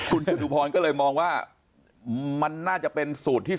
คุณจตุพรก็เลยมองว่ามันน่าจะเป็นสูตรที่